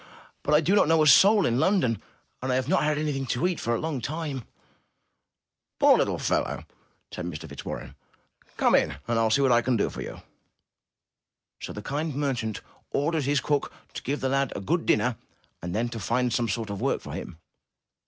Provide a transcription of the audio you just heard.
But I do not know a single soul in London, and I have not had anything to eat for a long time.'* 'Toor little fellow!" said Mr. Fitzwarren. ''Come in, and I will see what I can do for you." So the kmd merchant ordered his cook to give the lad a good dinner, and then to find some sort of work for him.